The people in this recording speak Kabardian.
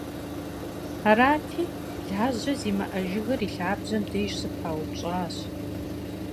Арати, лажьэ зимыӏэ жыгыр и лъабжьэм деж щыпаупщӏащ.